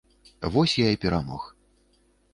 Вось я і перамог.